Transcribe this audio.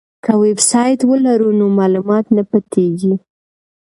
که ویبسایټ ولرو نو معلومات نه پټیږي.